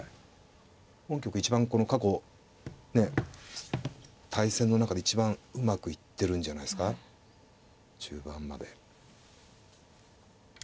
本局一番この過去ねえ対戦の中で一番うまくいってるんじゃないですか中盤まで。